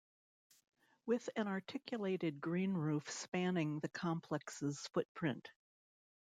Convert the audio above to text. With an articulated green roof spanning the complex's footprint.